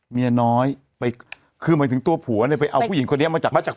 เมียน้อยไปคือหมายถึงตัวผัวเนี่ยไปเอาผู้หญิงคนนี้มาจากมาจาก